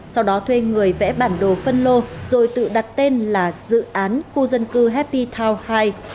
sau đó thuê người vẽ bản đồ phân lô rồi tự đặt tên là dự án khu dân cư happy town hai